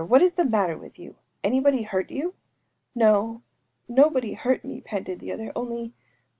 what is the matter with you? Anybody hurt you?‚ÄĚ ‚ÄúNo‚ÄĒnobody hurt me,‚ÄĚ panted the other,‚ÄĒ‚Äúonly...